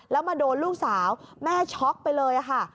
แล้วมาโดนลูกสาวแม่ช็อกไปเลยค่ะ